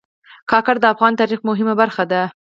کاکړ د افغان تاریخ مهمه برخه دي.